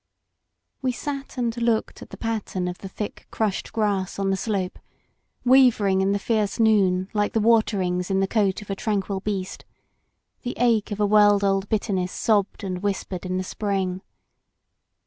We sat and looked at the pattern of the thick crushed grass on the slope, wavering in the fierce noon like the water ings in the coat of a tranquil beast; the ache of a world old bitterness sobbed and whispered in the spring.